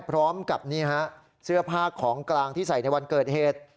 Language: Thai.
พร้อมกับนี่ฮะเสื้อผ้าของกลางที่ใส่ในวันเกิดเหตุ